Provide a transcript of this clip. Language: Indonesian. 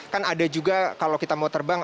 kan ada juga kalau kita mau terbang